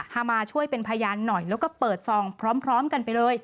มาช่วยเป็นพยานหน่อยแล้วก็เปิดซองพร้อมกันไปเลย